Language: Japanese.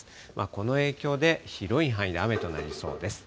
この影響で、広い範囲で雨となりそうです。